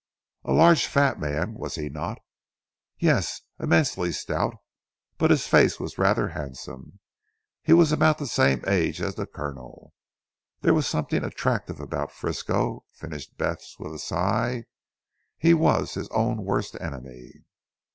"A large fat man was he not?" "Yes. Immensely stout: but his face was rather handsome. He was about the same age as the Colonel. There was something attractive about Frisco," finished Bess with a sigh, "he was his own worst enemy."